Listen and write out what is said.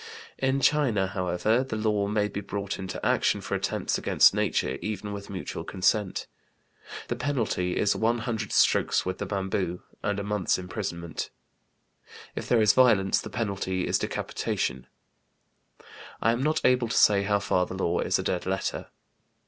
In China, however, the law may be brought into action for attempts against nature even with mutual consent; the penalty is one hundred strokes with the bamboo and a month's imprisonment; if there is violence, the penalty is decapitation; I am not able to say how far the law is a dead letter.